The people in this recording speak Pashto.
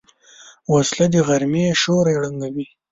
وسله د غرمې سیوری ړنګوي